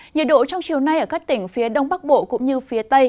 nhiệt độ trong chiều nay ở các tỉnh phía đông bắc bộ cũng như phía tây